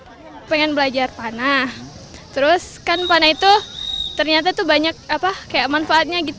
saya ingin belajar panah dan panah itu ternyata banyak manfaatnya